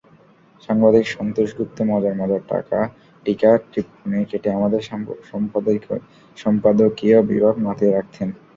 সাংবাদিক সন্তোষ গুপ্ত মজার মজার টীকা-টিপ্পনী কেটে আমাদের সম্পাদকীয় বিভাগ মাতিয়ে রাখতেন।